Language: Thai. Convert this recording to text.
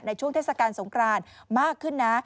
ช่วงเทศกาลสงครานมากขึ้นนะ